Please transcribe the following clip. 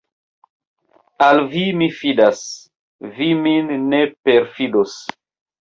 Al vi mi fidas, vi min ne perfidos!